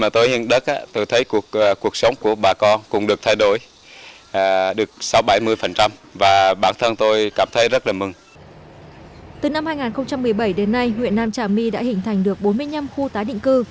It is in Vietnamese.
từ năm hai nghìn một mươi bảy đến nay huyện nam trà my đã hình thành được bốn mươi năm khu tái định cư